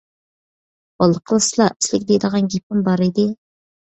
بولدى قىلسىلا، سىلىگە دەيدىغان گېپىم بار ئىدى.